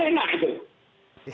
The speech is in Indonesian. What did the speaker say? kan enak gitu